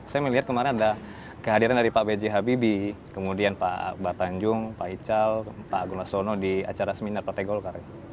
saya melihat kemarin ada kehadiran dari pak b j habibie kemudian pak bartanjung pak hical pak agung lasono di acara seminar partai golkar ya